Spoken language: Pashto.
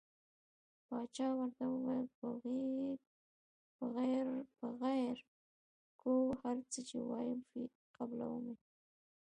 باچا ورته وویل پر غیر کوو هر څه چې وایې قبلووم.